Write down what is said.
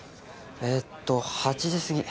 えっと８時過ぎ。